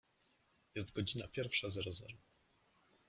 Jest godzina pierwsza zero zero.